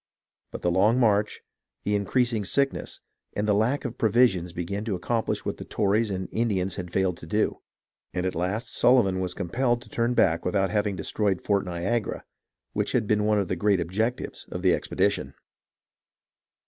But the long march, the increasing sickness, and the lack of provisions be gan to accomplish what the Tories and Indians had failed to do ; and at last Sullivan was compelled to turn back without having destroyed Fort Niagara, which had been one of the great objects of his expedition.